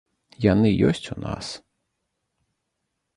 Яны ёсць у нас.